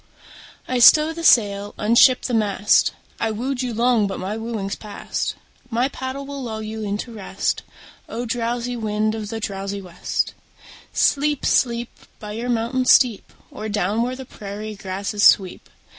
I stow the sail, unship the mast: I wooed you long but my wooing's past; My paddle will lull you into rest. O! drowsy wind of the drowsy west, Sleep, sleep, By your mountain steep, Or down where the prairie grasses sweep!